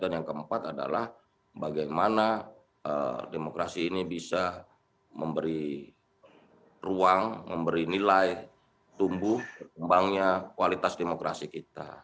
dan yang keempat adalah bagaimana demokrasi ini bisa memberi ruang memberi nilai tumbuh kekembangnya kualitas demokrasi kita